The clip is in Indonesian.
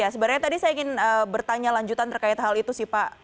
sebenarnya tadi saya ingin bertanya lanjutan terkait hal itu sih pak